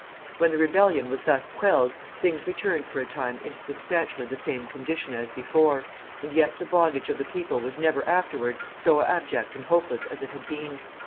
When the rebellion was thus quelled, things returned for a time into substantially the same condition as before, and yet the bondage of the people was never afterward so abject and hopeless as it had been.